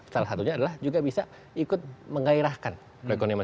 salah satunya adalah juga bisa ikut menggairahkan pengembangan di situ